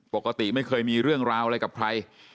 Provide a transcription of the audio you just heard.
ปกติไม่เคยมีเรื่องราวอะไรกับใคร